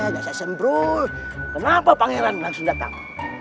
gak sesembrul kenapa pangeran langsung datang